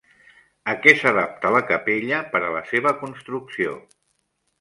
A què s'adapta la capella per a la seva construcció?